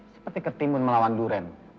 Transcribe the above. seperti ketimun melawan duren